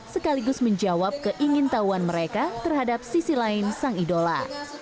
sekaligus menjawab keingin tahuan mereka terhadap sisi lain sang idola